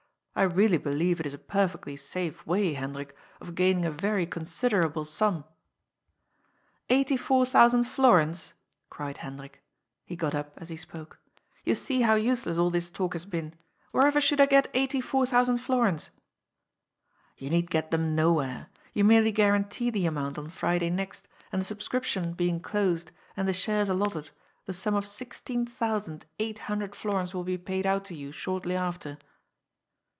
I really believe it is a perfectly safe way, Hendrik, of gaining a very considerable sum.'' ^^ Eighty four thousand florins !" cried Hendrik. He got up as he spoke. ^' You see how useless all this talk has been. Wherever should I get eighty four thousand florins?" " You need get them nowhere. You merely guarantee the amount on Friday next, and the subscription being closed, and the shares allotted, the sum of sixteen thou sand eight hundred florins will be paid out to you shortly after."